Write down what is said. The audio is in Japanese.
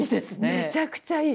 めちゃくちゃいい！